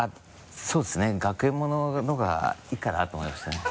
そうですね学園ものの方がいいかなと思いましてね。